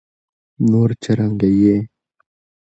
نور څنګه يې؟